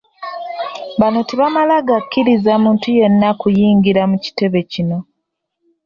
Bano tebamala gakkiriza muntu yenna kuyingira mu kitebe kino